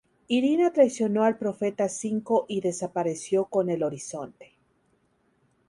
Irina traicionó al Profeta Cinco y desapareció con el Horizonte.